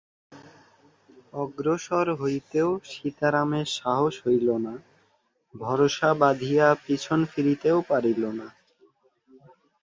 অগ্রসর হইতেও সীতারামের সাহস হইল না– ভরসা বাঁধিয়া পিছন ফিরিতেও পারিল না।